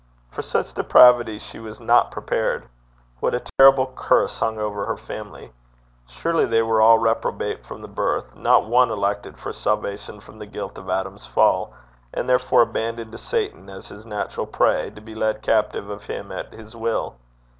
For such depravity she was not prepared. What a terrible curse hung over her family! Surely they were all reprobate from the womb, not one elected for salvation from the guilt of Adam's fall, and therefore abandoned to Satan as his natural prey, to be led captive of him at his will.